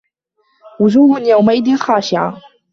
وُجوهٌ يَومَئِذٍ خاشِعَةٌ